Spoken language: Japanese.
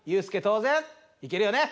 当然いけるよね？